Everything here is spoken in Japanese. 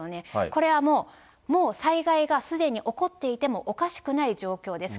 これはもう、災害がすでに起こっていてもおかしくない状況です。